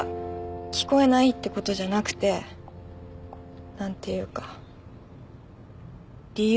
聞こえないってことじゃなくて何ていうか理由？